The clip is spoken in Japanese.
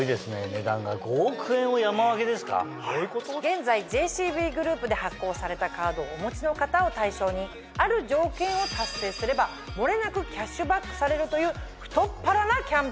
現在ＪＣＢグループで発行されたカードをお持ちの方を対象にある条件を達成すればもれなくキャッシュバックされるという太っ腹なキャンペーンです。